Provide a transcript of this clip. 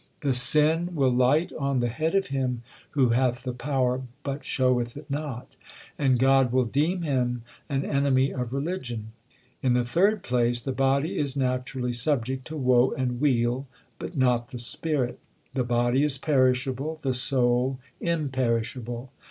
The sin will light on the head of him who hath the power but showeth it not ; and God will deem him an enemy of religion. In the third place, the body is naturally subject to woe and weal, but not the spirit. The body is perishable, the soul imperishable.